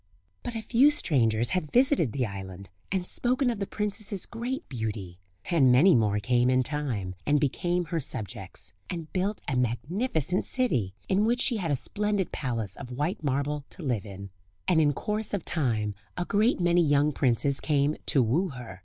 But a few strangers had visited the island, and spoken of the princess's great beauty; and many more came in time, and became her subjects, and built a magnificent city, in which she had a splendid palace of white marble to live in. And in course of time a great many young princes came to woo her.